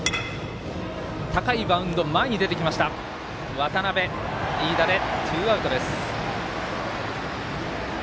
渡邊、飯田でツーアウト。